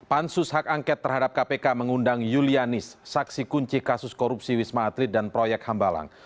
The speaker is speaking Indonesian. pansus hak angket terhadap kpk mengundang yulianis saksi kunci kasus korupsi wisma atlet dan proyek hambalang